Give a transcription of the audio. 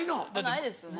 ないですね。